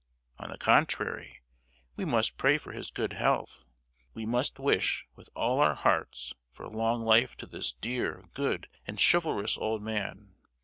On the contrary, we must pray for his good health! We must wish with all our hearts for long life to this dear, good, and chivalrous old man!